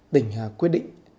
tỉnh quyết định